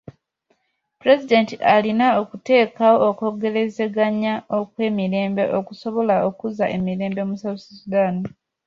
Pulezidenti alina okuteekawo okwogerezeganya okw'emirembe okusobola okuzza emirembe mu South Sudan.